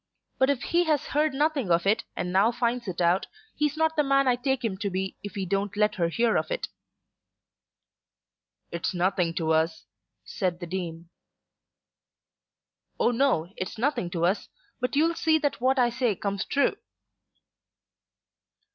But if he has heard nothing of it and now finds it out, he's not the man I take him to be if he don't let her hear of it." "It's nothing to us," said the Dean. "Oh, no; it's nothing to us. But you'll see that what I say comes true."